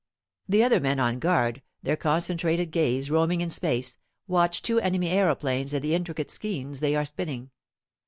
The other men on guard, their concentrated gaze roaming in space, watch two enemy aeroplanes and the intricate skeins they are spinning.